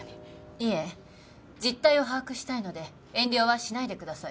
いえ実態を把握したいので遠慮はしないでください